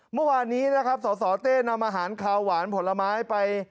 เมื่อวานนี้นะครับสสเต้นำอาหารคาวหวานผลไม้ไป